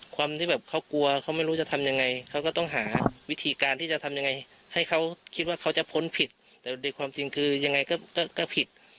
ความที่แบบเขากลัวเขาไม่รู้จะทำยังไงเขาก็ต้องหาวิธีการที่จะทำยังไงให้เขาคิดว่าเขาจะพ้นผิดแต่ในความจริงคือยังไงก็ผิด